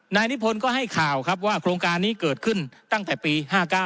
นายนิพนธ์ก็ให้ข่าวครับว่าโครงการนี้เกิดขึ้นตั้งแต่ปี๕๙